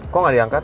kok gak diangkat